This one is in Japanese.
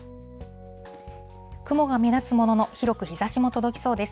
雲が目立つものの広く日ざしも届きそうです。